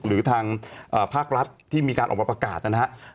หรือทางภาครัฐที่มีการออกมาประกาศนะครับ